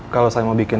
kalau saya mau bikin